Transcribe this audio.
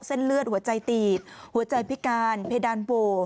เส้นเลือดหัวใจตีบหัวใจพิการเพดานโหว